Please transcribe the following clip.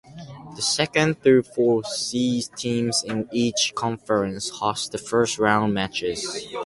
The second through fourth seeded teams in each conference host the first round matches.